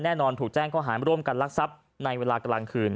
แน่นอนถูกแจ้งข้อหาร่วมกันลักทรัพย์ในเวลากลางคืน